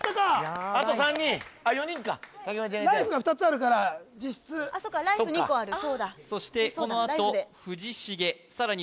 あと３人あっ４人かライフが２つあるから実質そうかライフ２個あるそうだそうだライフでそしてそのあと藤重さらに